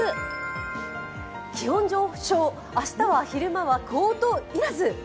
気温上昇、明日は昼間はコートいらず。